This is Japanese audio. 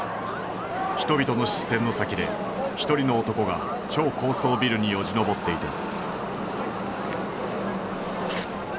人々の視線の先で一人の男が超高層ビルによじ登っていた。